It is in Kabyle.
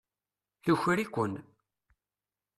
Tuker-iken.